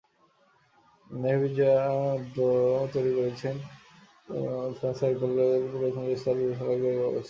নেভির্যা ন্ডো তৈরি করেছেন ফ্রান্সের উত্তর পূর্বাঞ্চলীয় স্ত্রাসবুর্গ বিশ্ববিদ্যালয়ের একদল গবেষক।